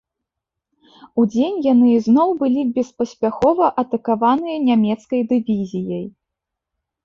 Удзень яны ізноў былі беспаспяхова атакаваныя нямецкай дывізіяй.